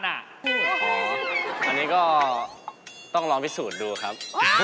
อันนี้ก็ต้องลองพิสูจน์ดูครับ